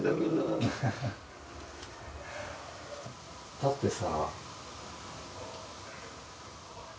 だってさ。